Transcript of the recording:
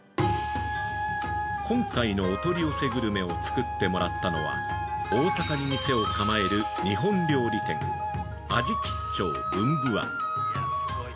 今回のお取り寄せグルメを作ってもらったのは、大阪に店を構える日本料理店、「味吉兆ぶんぶ庵」。